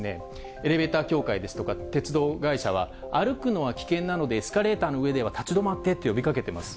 エレベーター協会ですとか、鉄道会社は、歩くのは危険なので、エスカレーターの上では立ち止まってと呼びかけています。